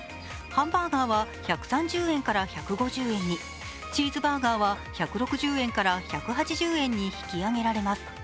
ハンバーガーは１３０円から１５０円に、チーズバーガーは１６０円から１８０円に引き上げられます。